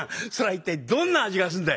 一体どんな味がすんだい？」。